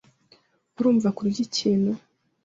Urumva kurya ikintu?